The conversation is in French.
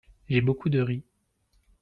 J'ai beaucoup de riz.